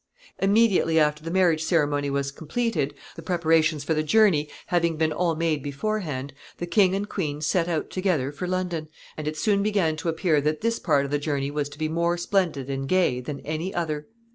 ] Immediately after the marriage ceremony was completed, the preparations for the journey having been all made beforehand, the king and queen set out together for London, and it soon began to appear that this part of the journey was to be more splendid and gay than any other.